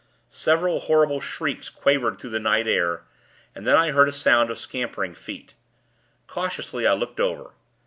Several horrible shrieks quavered through the night air, and then I heard a sound of scampering feet. Cautiously, I looked over.